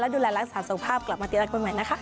แล้วดูแลรักษาสภาพกลับมาติดตามกันใหม่นะคะ